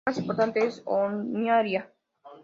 La ciudad más importante es Honiara.